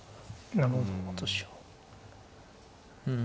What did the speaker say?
なるほど。